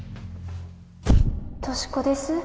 俊子です